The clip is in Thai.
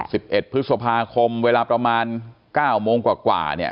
สิบเอ็ดพฤษภาคมเวลาประมาณเก้าโมงกว่ากว่าเนี่ย